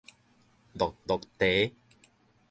漉漉茶